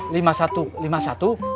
lima satu lima satu